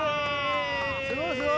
すごいすごい！